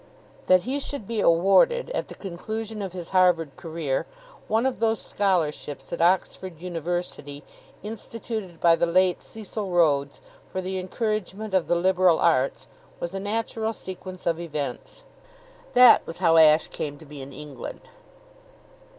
That he should be awarded, at the conclusion of his Harvard career, one of those scholarships at Oxford University instituted by the late Cecil Rhodes for the encouragement of the liberal arts, was a natural sequence of events. That was how Ashe came to be in England.